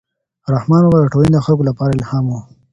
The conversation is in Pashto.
رحمان بابا د ټولنې د خلکو لپاره الهام و.